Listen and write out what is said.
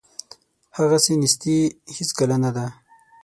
هغسې نیستي هیڅکله نه ده.